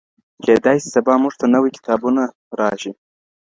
کيدای سي سبا موږ ته نوي کتابونه راشي.